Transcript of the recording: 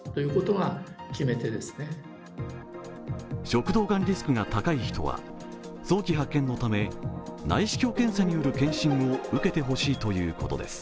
食道がんリスクが高い人は早期発見のため内視鏡検査による検診を受けてほしいということです。